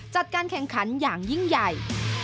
จัดการแข่งขันอย่างยิ่งใหญ่